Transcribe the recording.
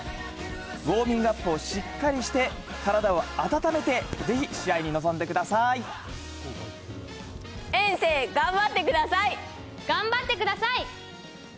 ウォーミングアップをしっかりして、体を温めて、ぜひ試合に臨んでください。頑張ってください。